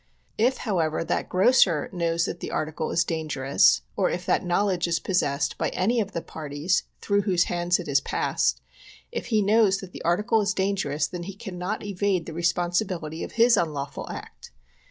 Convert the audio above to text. If, however, that grocer knows that the article is dangerous or if that knowledge is possessed by any of the parties through whose hands it has passed, if he knows that the article is dangerous then he cannot evade the responsibility of his un lawful act.